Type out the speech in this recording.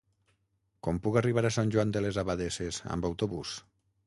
Com puc arribar a Sant Joan de les Abadesses amb autobús?